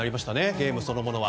ゲームそのものは。